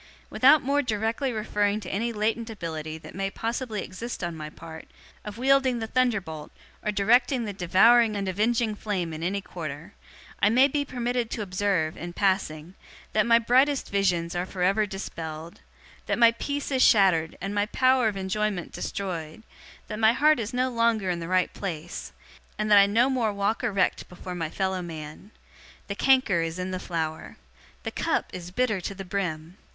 'Without more directly referring to any latent ability that may possibly exist on my part, of wielding the thunderbolt, or directing the devouring and avenging flame in any quarter, I may be permitted to observe, in passing, that my brightest visions are for ever dispelled that my peace is shattered and my power of enjoyment destroyed that my heart is no longer in the right place and that I no more walk erect before my fellow man. The canker is in the flower. The cup is bitter to the brim.